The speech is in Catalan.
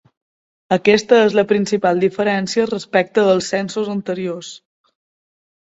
Aquesta és la principal diferència respecte als censos anteriors.